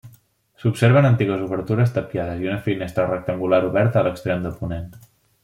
S'observen antigues obertures tapiades i una finestra rectangular oberta a l'extrem de ponent.